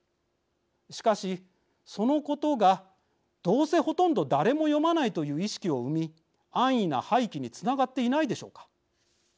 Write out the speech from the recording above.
しかしそのことがどうせほとんど誰も読まないという意識を生み安易な廃棄につながっていないでしょうか。